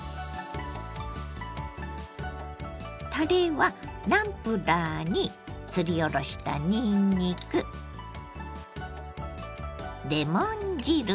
たれはナムプラーにすりおろしたにんにくレモン汁